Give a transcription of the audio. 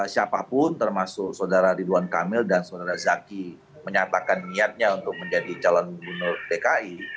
siapapun termasuk saudara ridwan kamil dan saudara zaki menyatakan niatnya untuk menjadi calon gubernur dki